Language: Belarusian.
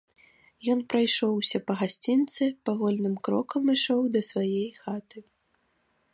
Ён прайшоўся па гасцінцы, павольным крокам ішоў да свае хаты.